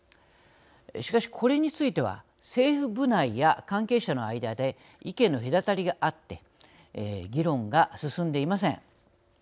しかしこれについては政府部内や関係者の間で意見の隔たりがあって議論が進んでいません。